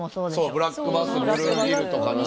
そうブラックバスブルーギルとかな。